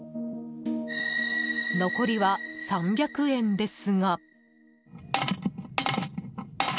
残りは３００円ですが。